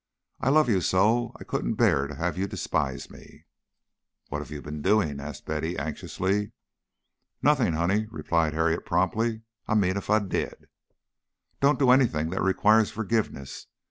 I love you so I couldn't bear to have you despise me." "What have you been doing?" asked Betty, anxiously. "Nothing, honey," replied Harriet, promptly. "I mean if I did." "Don't do anything that requires forgiveness.